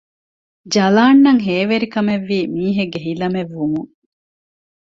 ޖަލާންއަށް ހޭވެރިކަމެއްވީ މީހެއްގެ ހިލަމެއްވުމުން